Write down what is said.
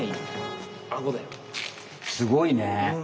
すごいね。